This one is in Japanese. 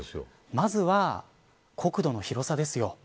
まずは国土の広さですよ。